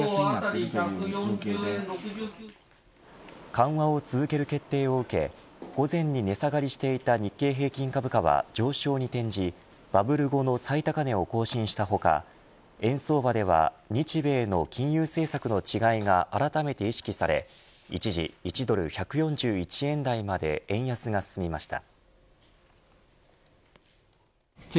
緩和を続ける決定を受け午前に値下がりしていた日経平均株価は上昇に転じバブル後の最高値を更新した他円相場では日米の金融政策の違いがあらためて意識され一時１ドル１４１円台まで円安が進みました。